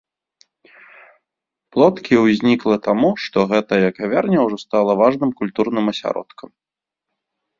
Плоткі ўзнікла таму, што гэтая кавярня ўжо стала важным культурным асяродкам.